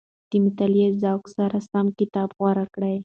د مطالعې ذوق سره سم کتاب غوره کړئ.